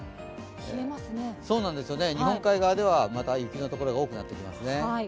日本海側では、また雪のところが多くなってきますね。